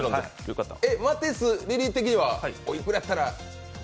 マティス、リリー的にはおいくらやったら？